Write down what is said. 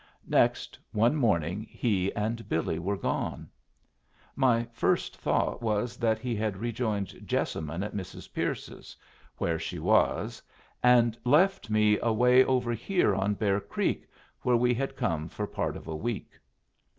Next, one morning he and Billy were gone. My first thought was that he had rejoined Jessamine at Mrs. Pierce's, where she was, and left me away over here on Bear Creek, where we had come for part of a week.